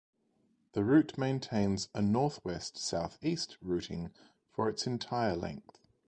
The route maintains a northwest-southeast routing for its entire length.